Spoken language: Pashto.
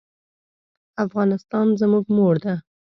افغانستان زموږ مور ده.